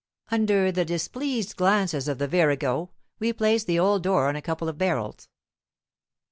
Under the displeased glances of the virago we place the old door on a couple of barrels.